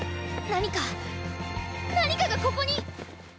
何か何かがここに！